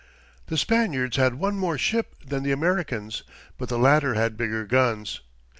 The Spaniards had one more ship than the Americans, but the latter had bigger guns.